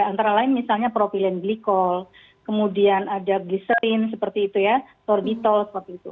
antara lain misalnya propylene glycol kemudian ada glycerin seperti itu ya sorbitol seperti itu